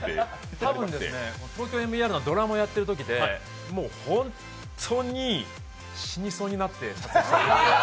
たぶんですね、「ＴＯＫＹＯＭＥＲ」のドラマやってるときでもうホントに死にそうになってた。